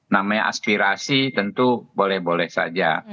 namanya aspirasi tentu boleh boleh saja